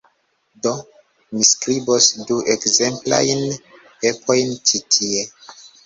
Do, mi skribos du ekzemplajn pepojn ĉi tie